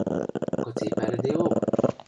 – Кыце пӓлӹдеок?